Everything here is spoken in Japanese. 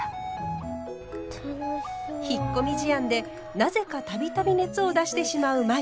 引っ込み思案でなぜか度々熱を出してしまう舞。